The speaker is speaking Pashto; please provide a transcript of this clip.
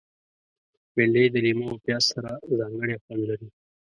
بېنډۍ د لیمو او پیاز سره ځانګړی خوند لري